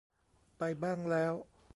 ไปบ้างแล้ว